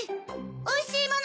おいしいもの